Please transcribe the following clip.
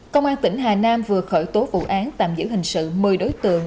công an tỉnh hà nam vừa khởi tố vụ án tạm giữ hình sự một mươi đối tượng